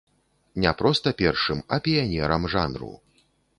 Не проста першым, а піянерам жанру.